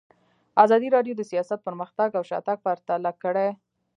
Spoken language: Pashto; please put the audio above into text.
ازادي راډیو د سیاست پرمختګ او شاتګ پرتله کړی.